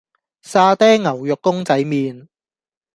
沙爹牛肉公仔麪